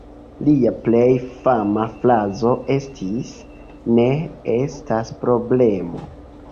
Lia plej fama frazo estis "Ne estas problemo".